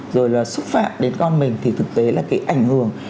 rồi là xúc phạm đến con mình thì thực tế là cái ảnh hưởng